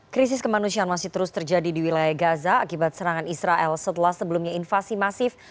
krisis kemanusiaan masih terus terjadi di wilayah gaza akibat serangan israel setelah sebelumnya invasi masif